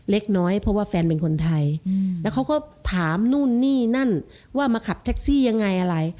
เล็กน้อยเพราะว่าแฟนเป็นคนไทยแล้วเขาก็ถามนู่นนี่นั่นว่ามาขับแท็กซี่ยังไงอะไร